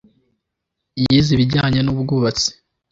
yize ibijyanye n’ubwubatsi